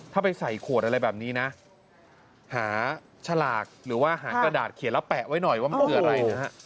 ถ้าไปใส่ขวดอะไรแบบนี้นะหาฉลากหรือว่าหากระดาษเขียนแล้วแปะไว้หน่อยว่ามันคืออะไรนะฮะ